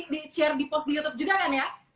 nanti share di post di youtube juga kan ya